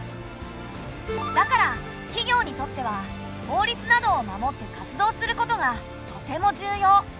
だから企業にとっては法律などを守って活動することがとても重要。